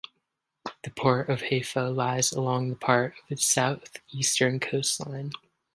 The Port of Haifa lies along part of its southeastern coastline.